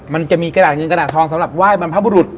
มันจะมีกระดาษเงินกระดาษทองสำหรับไหว้บรรพบุรุษ